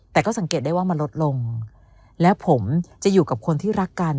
แต่ก็สังเกตได้ว่ามันลดลงและผมจะอยู่กับคนที่รักกัน